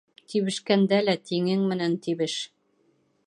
Тибешкәндә лә тиңең менән тибеш.